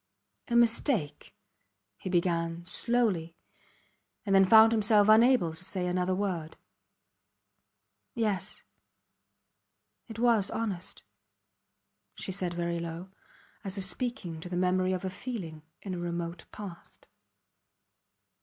A mistake ... he began, slowly, and then found himself unable to say another word. Yes ... it was honest, she said very low, as if speaking to the memory of a feeling in a remote past.